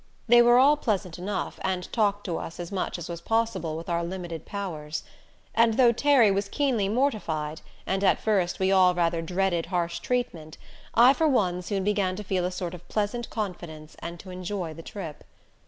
They were all pleasant enough, and talked to us as much as was possible with our limited powers. And though Terry was keenly mortified, and at first we all rather dreaded harsh treatment, I for one soon began to feel a sort of pleasant confidence and to enjoy the trip.